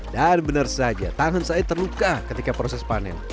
dan benar saja tangan saya terluka ketika proses panen